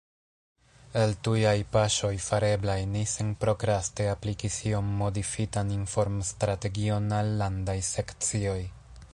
El tujaj paŝoj fareblaj, ni senprokraste aplikis iom modifitan informstrategion al Landaj Sekcioj.